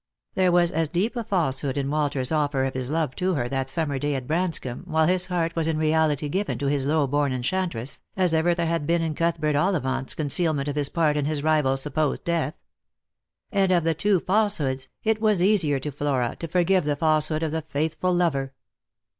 There was as deep a falsehood in Walter's offer of his love to her that summer day at Branscomb, while his heart was in reality given to his low born enchantress, as ever there had been in Cuthbert Ollivant's concealment of his part in his rival's supposed death. And of the two falsehoods, it was easier to Flora to forgive the falsehood of the faithful lover.